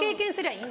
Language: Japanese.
いい